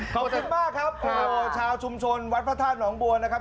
ขอบคุณมากครับชาวชุมชนวัดพระธาตุหนองบัวนะครับ